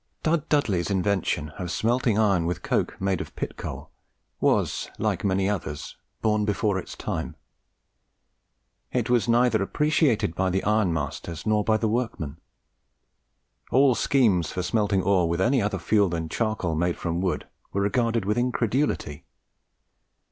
Dud Dudley's invention of smelting iron with coke made of pit coal was, like many others, born before its time. It was neither appreciated by the iron masters nor by the workmen. All schemes for smelting ore with any other fuel than charcoal made from wood were regarded with incredulity.